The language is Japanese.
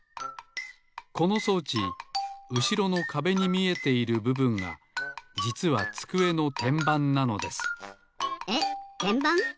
この装置うしろのかべに見えているぶぶんがじつはつくえのてんばんなのですえってんばん？